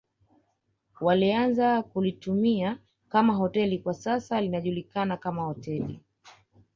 Walianza kulitumia kama hoteli kwa sasa linajulikana kama hoteli